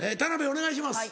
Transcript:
お願いします。